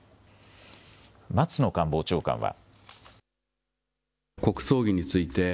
松野官房長官は。